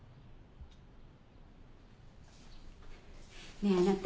ねえあなた